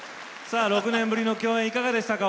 ６年ぶりの共演いかがでしたか？